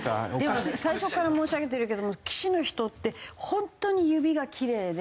でも最初から申し上げてるけども棋士の人ってホントに指がきれいで。